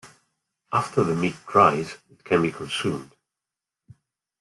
After the meat dries, it can be consumed.